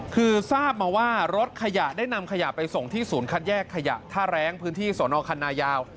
คือทราบมาว่ารถขยะได้นำขยะไปส่งที่ศูนย์คัดแยกขยะท่าแรงพื้นที่สอนอคันนายาว